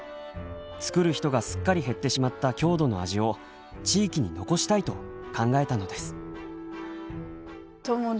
作る人がすっかり減ってしまった郷土の味を地域に残したいと考えたのです。